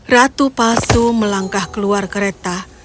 ratu palsu melangkah keluar kereta